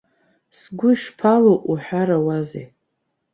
Сгәы ишԥалоу уҳәарауазеи.